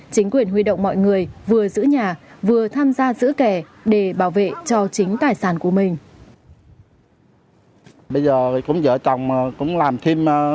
chính quyền huy động mọi người vừa giữ nhà vừa tham gia giữ kẻ để bảo vệ cho chính tài sản của mình